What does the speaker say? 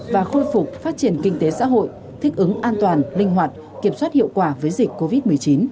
và khôi phục phát triển kinh tế xã hội thích ứng an toàn linh hoạt kiểm soát hiệu quả với dịch covid một mươi chín